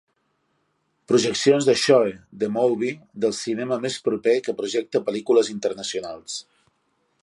Projeccions de Shoe the movie del cinema més proper que projecta pel·lícules internacionals.